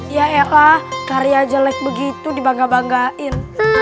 ya eva karya jelek begitu dibangga banggain